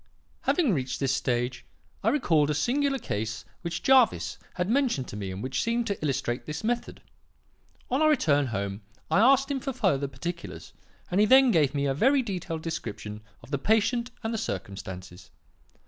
"Having reached this stage, I recalled a singular case which Jervis had mentioned to me and which seemed to illustrate this method. On our return home I asked him for further particulars, and he then gave me a very detailed description of the patient and the circumstances.